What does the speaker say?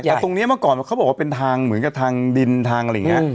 แต่ตรงนี้เมื่อก่อนเขาบอกว่าเป็นทางเหมือนกับทางดินทางอะไรอย่างนี้